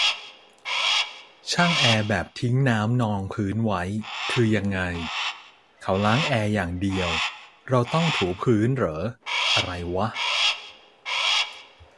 ช่างแอร์แบบทิ้งน้ำนองพื้นไว้ คือยังไง เขาล้างแอร์อย่างเดียว เราต้องถูพื้นเหรอ อะไรวะ